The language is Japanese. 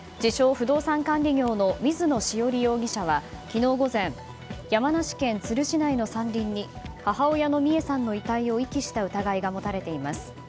・不動産管理業の水野潮理容疑者は昨日午前山梨県都留市内の山林に母親の美恵さんの遺体を遺棄した疑いが持たれています。